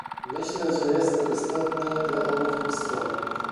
Myślę że jest to istotne dla obydwu stron